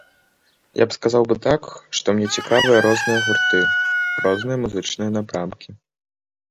Я б сказаў бы так, што мне цікавыя розныя гурты, розныя музычныя напрамкі.